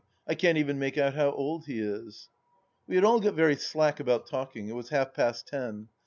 I can't even make out how old he is ? We had all got very slack about talking; it was half past ten.